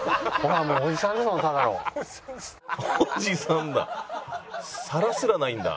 おじさんだ。